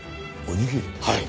はい。